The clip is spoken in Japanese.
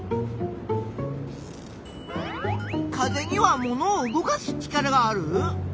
風にはものを動かす力がある？